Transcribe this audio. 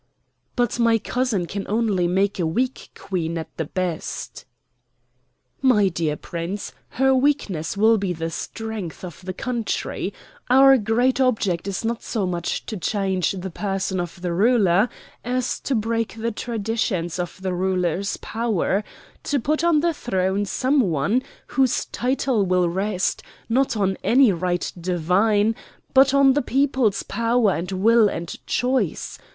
"But my cousin can only make a weak Queen at the best." "My dear Prince, her weakness will be the strength of the country. Our great object is not so much to change the person of the ruler as to break the traditions of the ruler's power to put on the throne some one whose title will rest, not on any right divine, but on the people's power and will and choice.